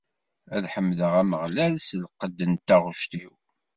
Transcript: Ad ḥemdeɣ Ameɣlal s lqedd n taɣect-iw.